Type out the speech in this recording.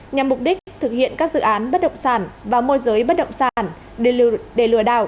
nhằm mục đích thực hiện các dự án bất động sản và môi giới bất động sản để lừa đảo